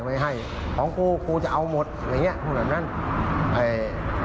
ไม่ให้ของกูกูจะเอาหมดอย่างเงี้ยหรืออะไรอย่างเงี้ยเอ่ย